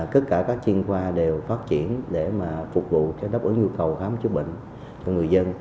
tất cả các chuyên khoa đều phát triển để mà phục vụ cho đáp ứng nhu cầu khám chữa bệnh cho người dân